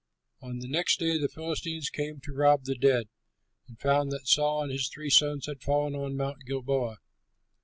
On the next day, the Philistines came to rob the dead, and found that Saul and his three sons had fallen on Mount Gilboa.